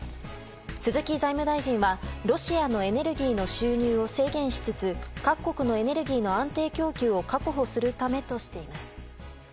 鈴木財務大臣はロシアのエネルギーの収入を制限しつつ各国のエネルギーの安定供給を確保するためとしています。